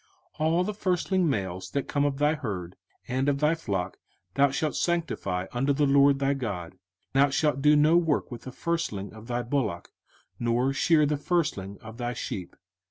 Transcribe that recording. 05:015:019 All the firstling males that come of thy herd and of thy flock thou shalt sanctify unto the LORD thy God: thou shalt do no work with the firstling of thy bullock, nor shear the firstling of thy sheep.